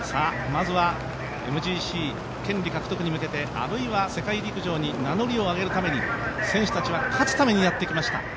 まずはＭＧＣ権利獲得に向けて、あるいは世界陸上に名乗りを上げるために選手たちは勝つためにやってきました。